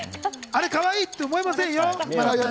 あれかわいいって思いませんよ。